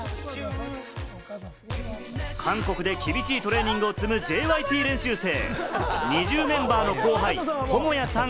韓国で厳しいトレーニングを積むＪＹＰ練習生。